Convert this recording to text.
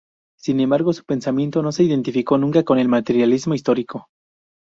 Sin embargo, su pensamiento no se identificó nunca con el materialismo histórico.